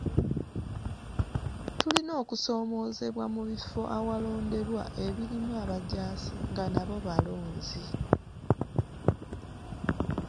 Tulina okusoomoozebwa mu bifo awalonderwa ebirimu abajaasi nga nabo balonzi.